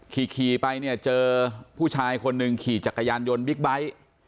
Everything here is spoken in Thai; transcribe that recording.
ขี่ไปเนี่ยเจอผู้ชายคนหนึ่งขี่จักรยานยนต์บิ๊กไบท์